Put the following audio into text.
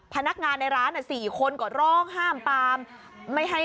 พนักงานในร้าน๔คนก็ร้องห้ามปาม